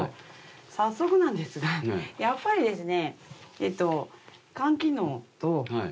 早速なんですがやっぱりですね。